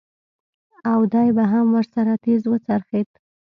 او دى به هم ورسره تېز وڅرخېد.